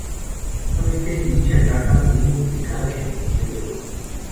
Normalmente dicha caja viene publicada en edición de lujo.